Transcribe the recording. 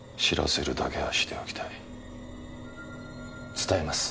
伝えます。